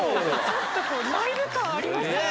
ちょっとこうライブ感ありましたね。